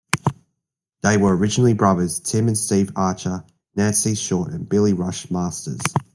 They were originally brothers Tim and Steve Archer, Nancye Short and Billy Rush Masters.